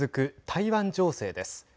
台湾情勢です。